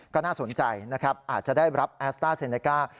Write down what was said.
ก็น่าสนใจนะครับอาจจะได้รับแอสต้าเซเนก้า